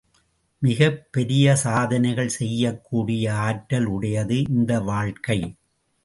மிகப் பெரிய சாதனைகள் செய்யக்கூடிய ஆற்றல் உடையது இந்த வாழ்க்கை.